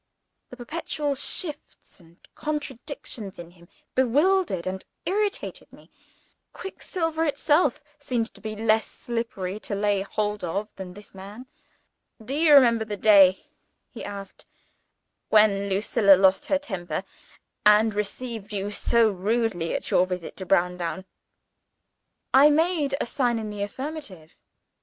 The perpetual shifts and contradictions in him, bewildered and irritated me. Quicksilver itself seemed to be less slippery to lay hold of than this man. "Do you remember the day," he asked, "when Lucilla lost her temper, and received you so rudely at your visit to Browndown?" I made a sign in the affirmative.